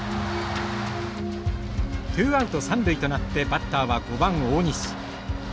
ツーアウト三塁となってバッターは５番大西。